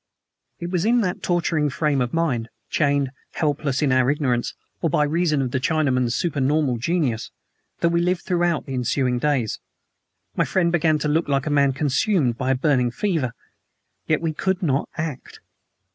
It was in that torturing frame of mind chained, helpless, in our ignorance, or by reason of the Chinaman's supernormal genius that we lived throughout the ensuing days. My friend began to look like a man consumed by a burning fever. Yet, we could not act.